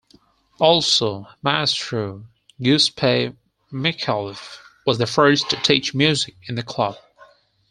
Also, Maestro Giuseppe Micallef was the first to teach music in the club.